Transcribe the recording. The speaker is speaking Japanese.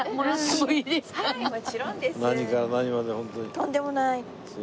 とんでもない。